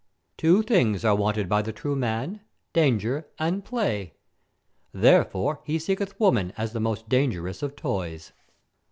"Two things are wanted by the true man danger and play. Therefore he seeketh woman as the most dangerous of toys."